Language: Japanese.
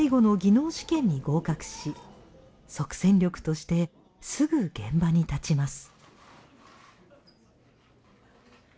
試験に合格し即戦力としてすぐ現場に立ちます。